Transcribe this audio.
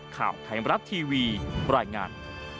ข่าวไทยมรัฐทีวีรายงาน